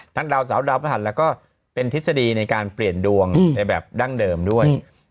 ดาวเสาดาวพระหัสแล้วก็เป็นทฤษฎีในการเปลี่ยนดวงในแบบดั้งเดิมด้วย